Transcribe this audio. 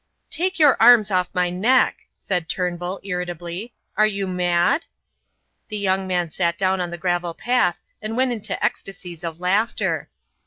"Take your arms off my neck," said Turnbull, irritably. "Are you mad?" The young man sat down on the gravel path and went into ecstasies of laughter.